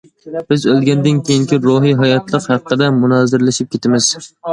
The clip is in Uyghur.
بىز ئۆلگەندىن كېيىنكى روھىي ھاياتلىق ھەققىدە مۇنازىرىلىشىپ كېتىمىز.